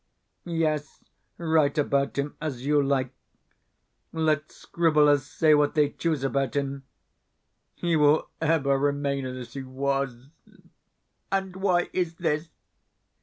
Yes, write about him as you like let scribblers say what they choose about him he will ever remain as he was. And why is this?